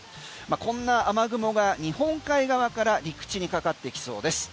こんな雨雲が日本海側から陸地にかかってきそうです。